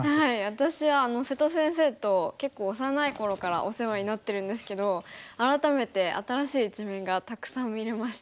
私は瀬戸先生と結構幼い頃からお世話になってるんですけど改めて新しい一面がたくさん見れました。